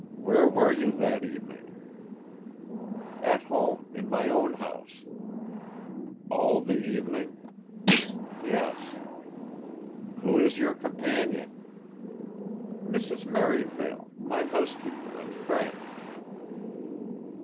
"Where were you that evening?" "At home, in my own house." "All the evening?" "Yes." "Who is your companion?" "Mrs. Merivale. My housekeeper and friend."